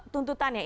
yang akan terjadi